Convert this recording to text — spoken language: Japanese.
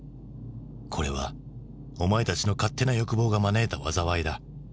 「これはお前たちの勝手な欲望が招いた災いだ」。